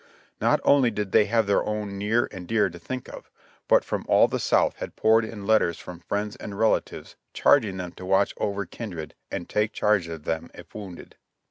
Not only did they have their own near and dear to think of, but from all the South had poured in letters from friends and relatives charg ing them to watch over kindred and take charge of them if wounded.